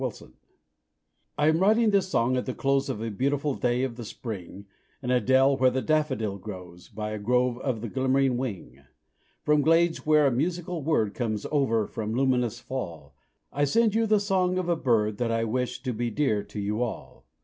Persia I am writing this song at the close Of a beautiful day of the spring In a dell where the daffodil grows By a grove of the glimmering wing; From glades where a musical word Comes ever from luminous fall, I send you the song of a bird That I wish to be dear to you all.